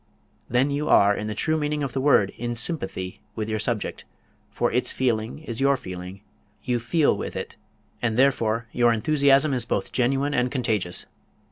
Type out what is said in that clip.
Then you are, in the true meaning of the word, in sympathy with your subject, for its feeling is your feeling, you "feel with" it, and therefore your enthusiasm is both genuine and contagious.